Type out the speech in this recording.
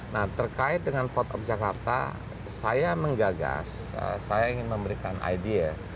nah terkait dengan port of jakarta saya menggagas saya ingin memberikan ide ya